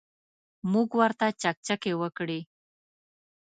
موږ ورته چکچکې وکړې.